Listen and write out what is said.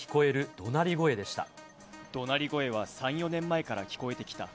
どなり声は３、４年前から聞こえてきた。